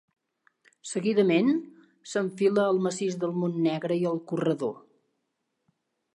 Seguidament, s'enfila al massís del Montnegre i el Corredor.